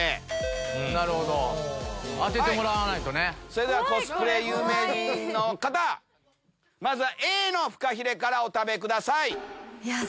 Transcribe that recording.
それではコスプレ有名人の方まずはＡのフカヒレからお食べください。